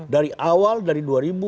dari awal dari dua ribu empat belas